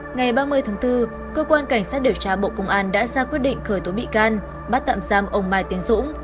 ngày ba mươi tháng bốn cơ quan cảnh sát điều tra bộ công an đã ra quyết định khởi tố bị can bắt tạm giam ông mai tiến dũng